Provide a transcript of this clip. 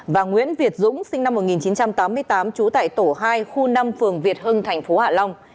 và nguyễn việt dũng sinh năm một nghìn chín trăm tám mươi tám chú tại tổ hai khu năm phường việt hưng tp hạ long